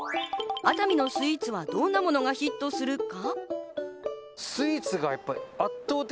熱海のスイーツはどんなものがヒットするか？